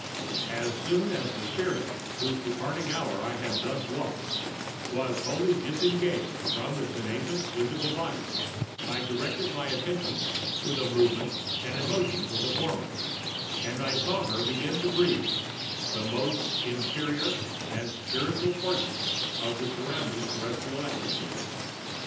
As soon as the spirit, whose departing hour I thus watched, was wholly disengaged from the tenacious physical body, I directed my attention to the movements[Pg 199] and emotions of the former; and I saw her begin to breathe the most interior or spiritual portions of the surrounding terrestrial atmosphere.